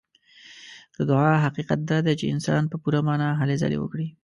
د دعا حقيقت دا دی چې انسان په پوره معنا هلې ځلې وکړي.